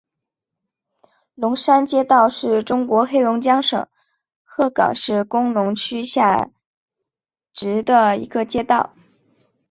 龙山街道是中国黑龙江省鹤岗市工农区下辖的一个街道。